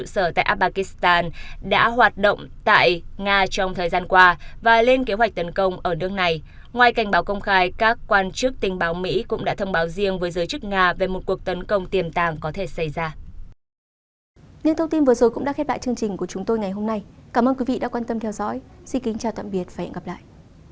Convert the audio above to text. xin kính chào tạm biệt và hẹn gặp lại